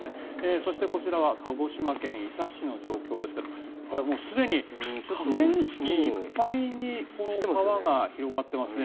そして、こちらは鹿児島県伊佐市の状況ですがすでに河川敷いっぱいにこの川が広がっていますね。